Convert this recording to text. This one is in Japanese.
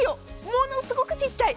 ものすごくちっちゃい。